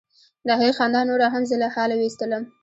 د هغې خندا نوره هم زه له حاله ویستلم.